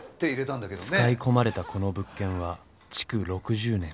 使い込まれたこの物件は築６０年。